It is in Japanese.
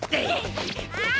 ああ！